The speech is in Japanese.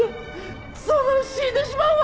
そんなの死んでしまうわ！